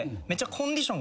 コンディション。